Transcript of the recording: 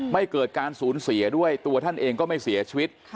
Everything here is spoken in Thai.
ไม่เกิดการสูญเสียด้วยตัวท่านเองก็ไม่เสียชีวิต